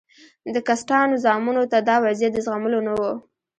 د کسټانو زامنو ته دا وضعیت د زغملو نه و.